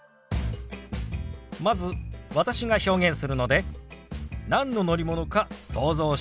まず私が表現するので何の乗り物か想像してください。